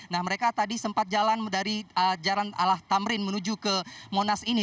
nah mereka tadi sempat jalan dari jalan alah tamrin menuju ke monas ini